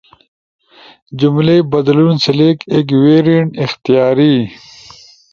جملئی بدلون، سلیکٹ ایک ویرینٹ[اختیاری]